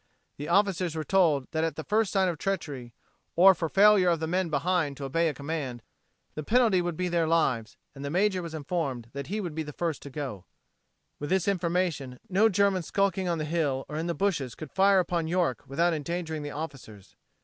The officers were told that at the first sign of treachery, or for a failure of the men behind to obey a command, the penalty would be their lives; and the major was informed that he would be the first to go. With this formation no German skulking on the hill or in the bushes could fire upon York without endangering the officers.